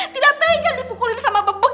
tidak tegal dipukulin sama bebek